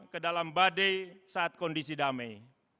kedalam badai saat kondisi damai